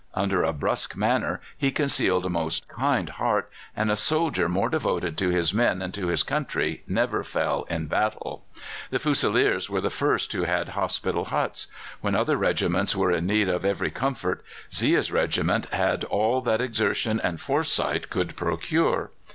Under a brusque manner he concealed a most kind heart, and a soldier more devoted to his men and to his country never fell in battle. The Fusiliers were the first who had hospital huts. When other regiments were in need of every comfort Zea's regiment had all that exertion and foresight could procure.